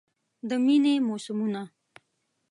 د میینې موسمونه